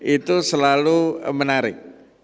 itu selalu menarik